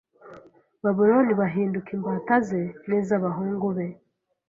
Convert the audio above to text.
Babuloni bahinduka imbata ze n iz abahungu be